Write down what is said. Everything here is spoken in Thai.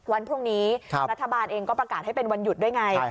วันพรุ่งนี้รัฐบาลเองก็ประกาศให้เป็นวันหยุดด้วยไง